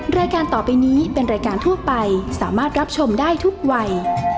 รายการต่อไปนี้เป็นรายการทั่วไปสามารถรับชมได้ทุกวัย